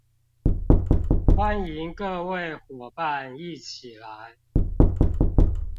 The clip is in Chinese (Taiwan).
歡迎各位夥伴一起來